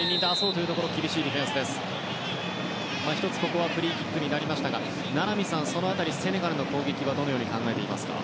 ここはフリーキックになりましたが名波さん、その辺りセネガルの攻撃はどのように考えていますか？